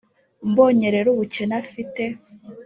Mbonye rero ubukene afite